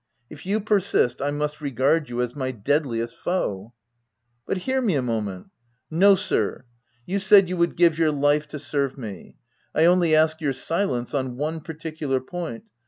If you persist, I must regard you as my deadliest foe." w But hear me a moment — V. " No, sir ! you said you would give your life to serve me : I only ask your silence on one particular point.